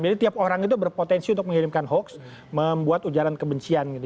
jadi tiap orang itu berpotensi untuk mengirimkan hoax membuat ujaran kebencian gitu